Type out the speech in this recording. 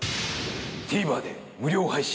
ＴＶｅｒで無料配信。